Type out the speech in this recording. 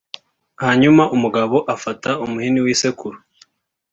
hanyuma umugabo afata umuhini w’isekuru